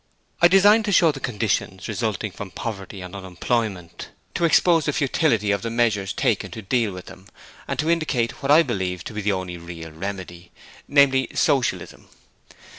I designed to show the conditions relating from poverty and unemployment: to expose the futility of the measures taken to deal with them and to indicate what I believe to be the only real remedy, namely Socialism.